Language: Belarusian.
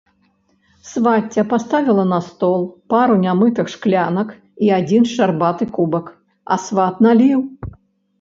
Свацця паставіла на стол пару нямытых шклянак і адзін шчарбаты кубак, а сват наліў.